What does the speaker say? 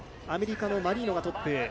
アメリカのマリーノがトップ。